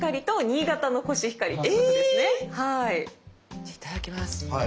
じゃいただきます。